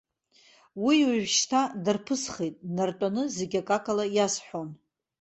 Уи уажәшьҭа дарԥысхеит, днартәаны, зегь акакала иасҳәон.